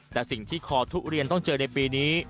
แต่สิ่งที่คอทุเรียนต้องเจอในปีนี้